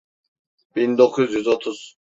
Bin dokuz yüz otuz.